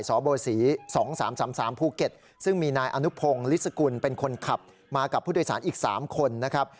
สบสีสองสามสามสามภูเก็ตซึ่งมีนายอนุพงศ์ลิสกุลเป็นคนขับมากับผู้โดยสารอีกสามคนนะครับ